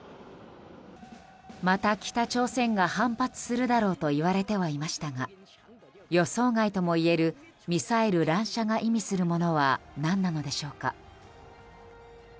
また北朝鮮が反発するだろうといわれてはいましたが予想外ともいえるミサイル乱射が意味するものは何なのでしょうか。